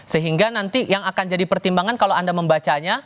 sehingga nanti yang akan jadi pertimbangan kalau anda membacanya